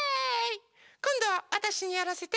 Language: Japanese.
こんどはわたしにやらせて！